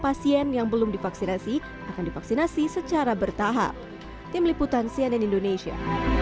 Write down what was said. pasien yang belum divaksinasi akan divaksinasi secara bertahap tim liputan cnn indonesia